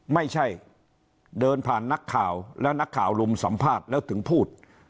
ไม่ใช่เดินผ่านนักข่าวแล้วนักข่าวรุมสัมภาษณ์แล้วถึงพูด